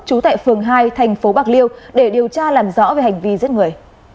trú tại phường hai thành phố bạc liêu để điều tra làm rõ về hành vi giết người